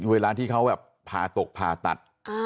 เวลาที่เขาแบบผ่าตกผ่าตัด